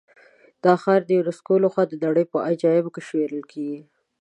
دا ښار د یونسکو له خوا د نړۍ په عجایبو کې شمېرل کېږي.